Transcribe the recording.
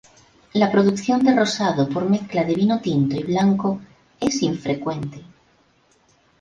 La producción de rosado por mezcla de vino tinto y blanco es infrecuente.